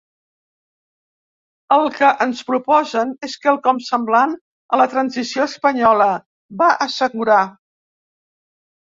El que ens proposem és quelcom semblant a la transició espanyola, va assegurar.